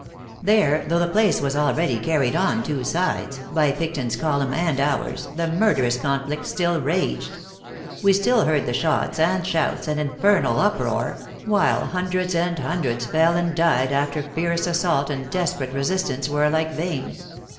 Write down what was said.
There, though the place was already carried on two sides, by Picton s column and ours, the murderous conflict still raged ; we still heard the shots, and shouts, and infernal uproar, while hundreds and hun dreds fell and died after fierce assault and desperate resistance were alike vain.